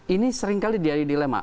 ini seringkali jadi dilema